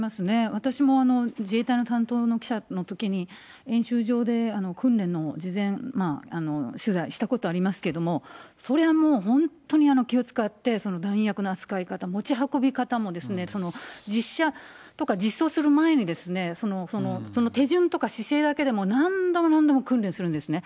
私も自衛隊の担当の記者のときに、演習場で訓練の事前取材したことありますけれども、そりゃもう本当に気を遣って、弾薬の扱い方、持ち運び方も、実射とか実装する前に、その手順とか姿勢だけでも何度も何度も訓練するんですね。